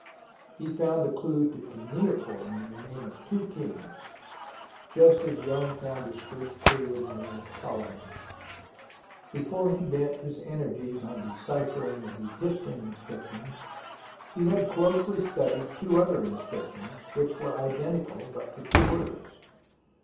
He found the clue to cuneiform in the name of two kings, just as Young found his first clue in the name of Ptolemy. Before he bent his energies on deciphering the Behistun inscriptions, he had closely studied two other inscriptions which were identical but for two words.